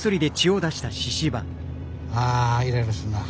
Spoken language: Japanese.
あイライラするな。